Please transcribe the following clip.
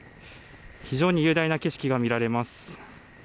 非常に雄大な景色が見られます。